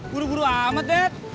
buru buru amat dad